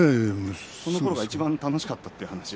そのころがいちばん楽しかったという話を。